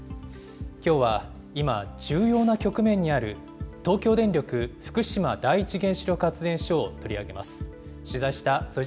きょうは今、重要な局面にある東京電力福島第一原子力発電所を取り上げます。